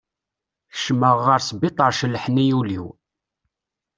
Kecmeɣ ɣer sbitaṛ celḥen-iyi ul-iw.